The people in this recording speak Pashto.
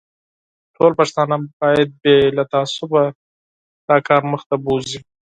ټوله پښتانه باید بې له تعصبه دا کار مخ ته بوزي.